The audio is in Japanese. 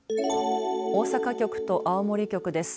大阪局と青森局です。